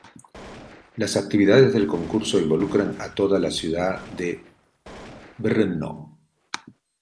Las actividades del concurso involucran a toda la ciudad de Brno.